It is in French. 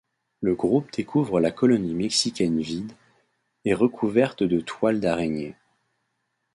Le groupe découvre la colonie mexicaine vide et recouverte de toiles d'araignée.